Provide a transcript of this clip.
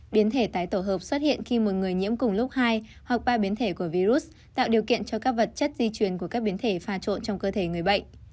biến thể tái tổ hợp xuất hiện khi một người nhiễm cùng lúc hai hoặc ba biến thể của virus tạo điều kiện cho các vật chất di truyền của các biến thể pha trộn trong cơ thể người bệnh